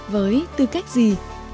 với tư cách gì